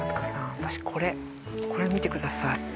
私これこれ見てください